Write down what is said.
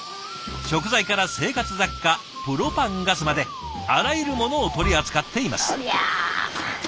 食材から生活雑貨プロパンガスまであらゆるものを取り扱っています。